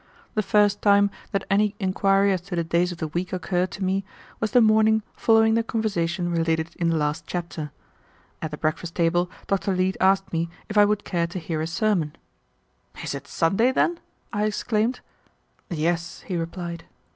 The first time that any inquiry as to the days of the week occurred to me was the morning following the conversation related in the last chapter. At the breakfast table Dr. Leete asked me if I would care to hear a sermon. "Is it Sunday, then?" I exclaimed. "Yes," he replied.